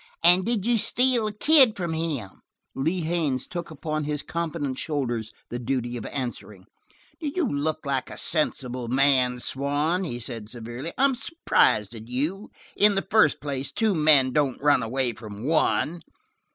And did you steal the kid from him?" Lee Haines took upon his competent shoulders the duty of answering. "You look like a sensible man, Swann," he said severely. "I'm surprised at you. In the first place, two men don't run away from one."